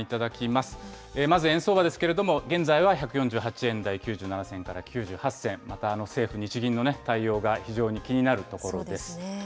まず円相場ですけれども、現在は１４８円台９７銭から９８銭、また政府・日銀の対応が非常に気になるところです。